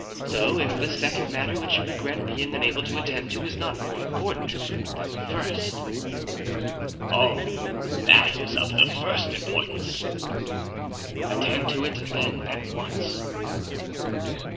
So, if the second matter which you regret being unable to attend to is not more important than the first——" "Oh! that is of the first importance." "Attend to it, then, at once."